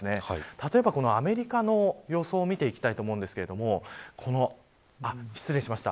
例えばアメリカの予想を見ていきたいと思うんですが失礼しました。